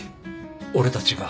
俺たちが。